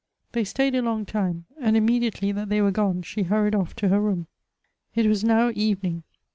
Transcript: They staid a long time, and immediately that they were gone she hunied off to her room. 104 Goethe's It was now evening.